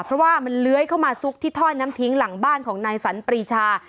เพราะว่ามันเลื้อยเข้ามาซุกที่ถ้อยน้ำทิ้งหลังบ้านของนายสันปรีชา